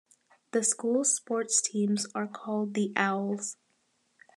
The school's sports teams are called the Owls.